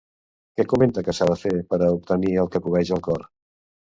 Què comenta que s'ha de fer per a obtenir el que cobeja el cor?